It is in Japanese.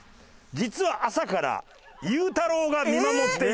実は朝からゆうたろうが見守っていた。